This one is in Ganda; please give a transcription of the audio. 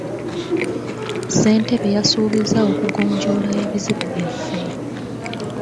Ssentebe yasuubizza okugonjoola ebizibu byaffe .